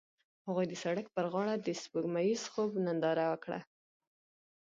هغوی د سړک پر غاړه د سپوږمیز خوب ننداره وکړه.